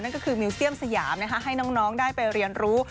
ก็คือมิวเซียมสยามให้น้องได้ไปเรียนรู้